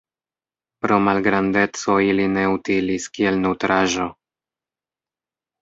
Pro malgrandeco ili ne utilis kiel nutraĵo.